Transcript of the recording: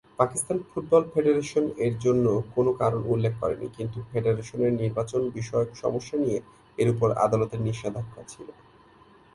Pakistan football federation এর জন্য কোন কারণ উল্লেখ করেনি কিন্তু ফেডারেশনের নির্বাচন বিষয়ক সমস্যা নিয়ে এর উপর আদালতের নিষেধাজ্ঞা ছিলো।